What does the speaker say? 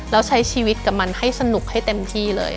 แล้วใช้ชีวิตกับมันให้สนุกให้เต็มที่เลย